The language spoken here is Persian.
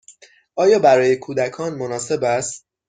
آیا برای کودکان مناسب است؟